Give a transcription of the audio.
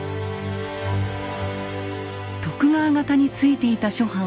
徳川方についていた諸藩は動揺。